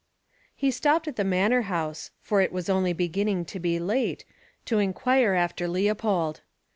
He stopped at the Manor House, for it was only beginning to be late, to inquire after Leopold.